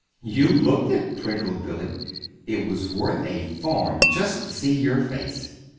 "You looked it," twinkled Billy. "It was worth a farm just to see your face!"